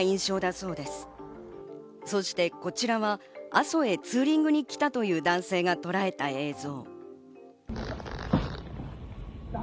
そして、こちらは阿蘇へツーリングに来たという男性がとらえた映像。